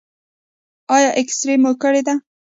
ایا اکسرې مو کړې ده؟